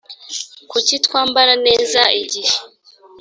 kuki twambara neza igihe